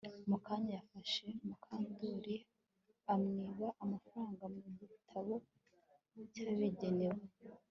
Mukara yafashe Mukandoli amwiba amafaranga mu gitabo cyabigenewe